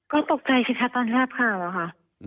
ก็ตกใจคิดค่ะตอนที่ทราบข่าวค่ะ